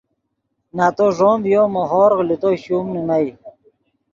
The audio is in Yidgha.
نتو ݱوم ڤیو مو ہورغ لے تو شوم نیمئے